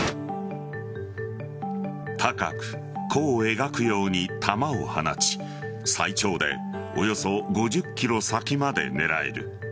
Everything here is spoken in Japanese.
高く、弧を描くように弾を放ち最長でおよそ５０ｋｍ先まで狙える。